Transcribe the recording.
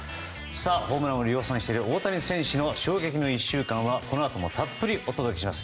ホームランを量産している大谷選手の衝撃の１週間はこのあともたっぷりお届けします。